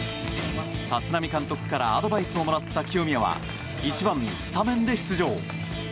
立浪監督からアドバイスをもらった清宮は１番でスタメン出場。